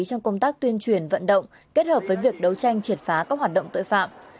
trong công tác tuyên truyền vận động kết hợp với việc đấu tranh triệt phá các hoạt động tội phạm